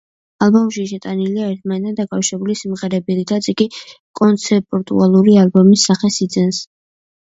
ალბომში შეტანილია ერთმანეთთან დაკავშირებული სიმღერები, რითაც იგი კონცეპტუალური ალბომის სახეს იძენს.